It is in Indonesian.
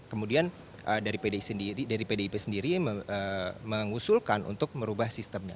kemudian dari pdip sendiri mengusulkan untuk merubah sistemnya